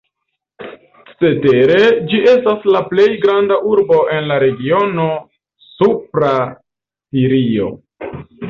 Cetere ĝi estas la plej granda urbo en la regiono Supra Stirio.